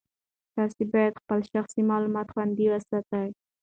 تاسي باید خپل شخصي معلومات خوندي وساتئ.